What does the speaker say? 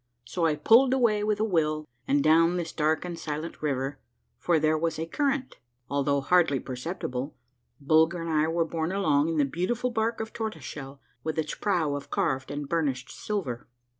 So I pulled away with a will, and down this dark and silent river, for there was a current, although hardly per ceptible, Bulger and I were borne along in the beautiful bark of tortoise shell with its prow of carved and burnished silver.